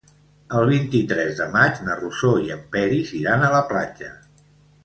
El vint-i-tres de maig na Rosó i en Peris iran a la platja.